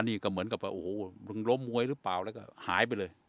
นี่ก็เหมือนกับว่าโอ้โหมึงล้มมวยหรือเปล่าแล้วก็หายไปเลย